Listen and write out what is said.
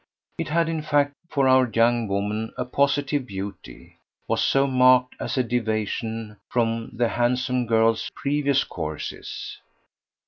It had in fact for our young woman a positive beauty was so marked as a deviation from the handsome girl's previous courses.